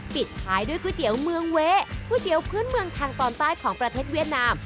ปิดท้ายด้วยก๋วยเตี๋ยวเมืองเว้ก๋วยเตี๋ยวพื้นเมืองทางตอนใต้ของประเทศเวียดนาม